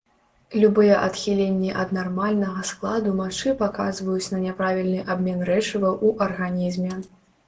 Любыя адхіленні ад нармальнага складу мачы паказваюць на няправільны абмен рэчываў у арганізме.